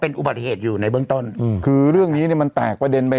อุบัติเหตุอยู่ในเบื้องต้นอืมคือเรื่องนี้เนี้ยมันแตกประเด็นไป